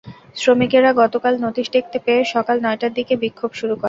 শ্রমিকেরা গতকাল নোটিশ দেখতে পেয়ে সকাল নয়টার দিকে বিক্ষোভ শুরু করেন।